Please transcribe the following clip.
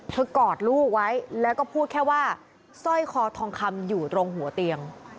กอดลูกไว้แล้วก็พูดแค่ว่าสร้อยคอทองคำอยู่ตรงหัวเตียง